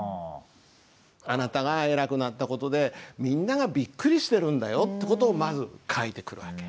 「あなたが偉くなった事でみんながびっくりしてるんだよ」って事をまず書いてくる訳。